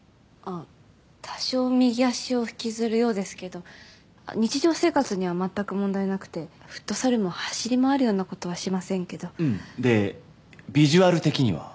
多少右足を引きずるようですけど日常生活には全く問題なくてフットサルも走り回るようなことはしませんけどうんでビジュアル的には？